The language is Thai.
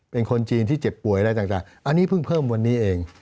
เป็นคนจีนที่เจ็บป่วยอะไรต่างอันนี้เพิ่งเพิ่มวันนี้เอง